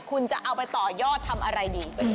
คุณจะเอาไปต่อยอดทำอะไรดี